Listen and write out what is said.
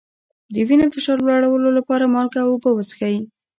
د وینې فشار لوړولو لپاره مالګه او اوبه وڅښئ